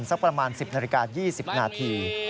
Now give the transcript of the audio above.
สักประมาณ๑๐นาฬิกา๒๐นาที